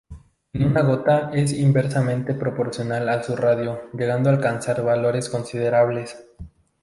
En una gota es inversamente proporcional a su radio, llegando a alcanzar valores considerables.